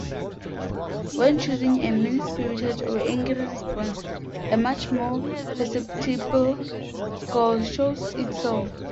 When choosing a mean-spirited or angry response, a much more perceptible scowl shows itself.